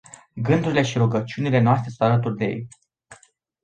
Gândurile și rugăciunile noastre sunt alături de ei.